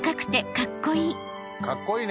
かっこいいね